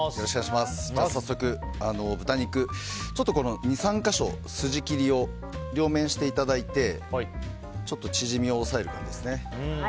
早速、豚肉ちょっと２３か所、筋切りを両面していただいて縮みを抑える感じですね。